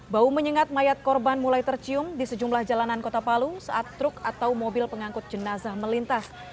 bau menyengat mayat korban mulai tercium di sejumlah jalanan kota palu saat truk atau mobil pengangkut jenazah melintas